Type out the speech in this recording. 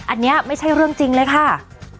อันนี้ไม่ใช่เรื่องจริงเลยค่ะ